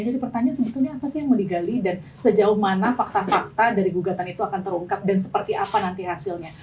jadi pertanyaan sebetulnya apa sih yang mau digali dan sejauh mana fakta fakta dari gugatan itu akan terungkap dan seperti apa nanti hasilnya